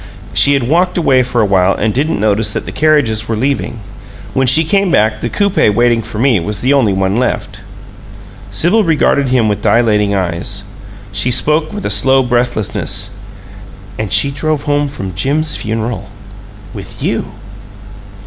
"She had walked away for a while and didn't notice that the carriages were leaving. When she came back the coupe waiting for me was the only one left." Sibyl regarded him with dilating eyes. She spoke with a slow breathlessness. "And she drove home from Jim's funeral with you!"